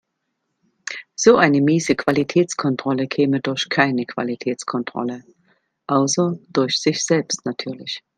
So eine miese Qualitätskontrolle käme durch keine Qualitätskontrolle, außer durch sich selbst natürlich.